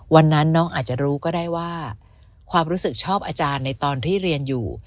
วันนั้นน้องอาจจะรู้ก็ได้ว่าความรู้สึกชอบอาจารย์ในตอนที่เรียนอยู่